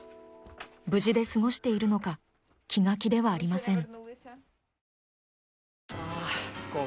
無事で過ごしているのか気が気ではありません。